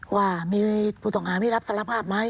ว่ามีผู้ต้องหาไม่รับสารภาพไหม